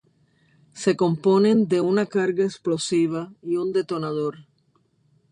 Se componen de una carga explosiva y un detonador.